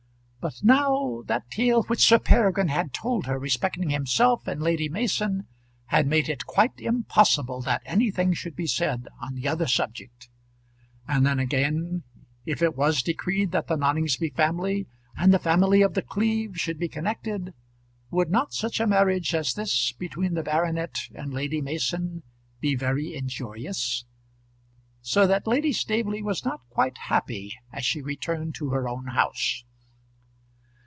But now, that tale which Sir Peregrine had told her respecting himself and Lady Mason had made it quite impossible that anything should be said on the other subject. And then again, if it was decreed that the Noningsby family and the family of The Cleeve should be connected, would not such a marriage as this between the baronet and Lady Mason be very injurious? So that Lady Staveley was not quite happy as she returned to her own house.